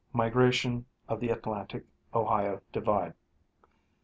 Migration of the Atlantic Ohio divide.